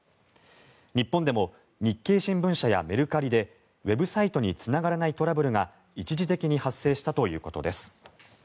日本でも日経新聞社やメルカリでウェブサイトにつながらないトラブルが一時的に発生したということです。